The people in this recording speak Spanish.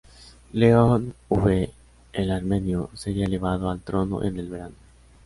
León V el Armenio sería elevado al trono en el verano.